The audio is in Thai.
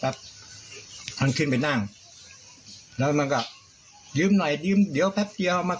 ท่านขึ้นไปนั่งแล้วมันก็ยืมหน่อยยืมเดี๋ยวแป๊บเดียวเอามา